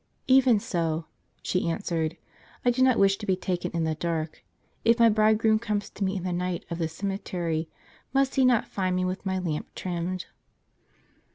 " Even so," she answered, " I do not wish to be taken in the dark.' If my Bridegroom come to me in the night u u ^:i of this cemetery, must He not find me with my lamp trimmed?